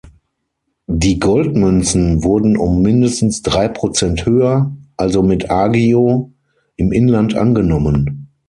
Die Goldmünzen wurden um mindestens drei Prozent höher, also mit Agio, im Inland angenommen.